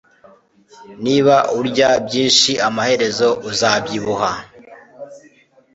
Niba urya byinshi, amaherezo uzabyibuha.